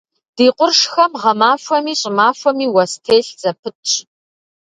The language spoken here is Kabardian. Ди къуршхэм гъэмахуэми щӏымахуэми уэс телъ зэпытщ.